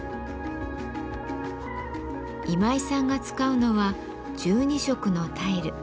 今井さんが使うのは１２色のタイル。